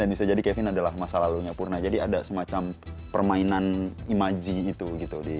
yang bisa jadi kevin adalah masa lalunya purna jadi ada semacam permainan imaji itu gitu di